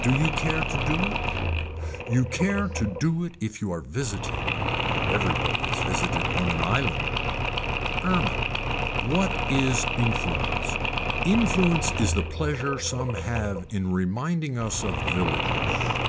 Do you care to do it. You care to do it if you are visited. Everybody is visited on an island. Ermine. What is influence. Influence is the pleasure some have in reminding us of villages.